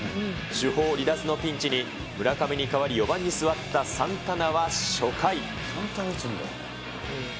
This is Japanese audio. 主砲離脱のピンチに、村上に代わり、４番に座ったサンタナは初回。